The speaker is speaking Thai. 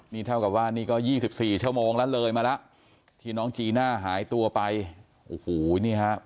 นี่เท่ากับว่านี่ก็๒๔ชั่วโมงแล้วเลยมาแล้วที่น้องจีน่าหายตัวไปโอ้โหนี่ฮะ